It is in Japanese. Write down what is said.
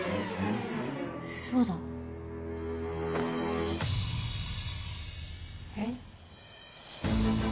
そうだ！え？